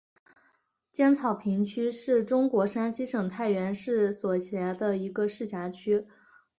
尖草坪区是中国山西省太原市所辖的一个市辖区。